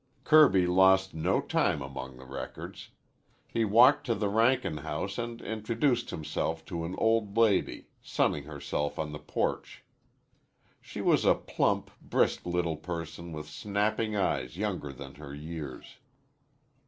Kirby lost no time among the records. He walked to the Rankin house and introduced himself to an old lady sunning herself on the porch. She was a plump, brisk little person with snapping eyes younger than her years.